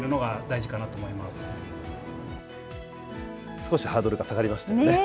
少しハードルが下がりましたね。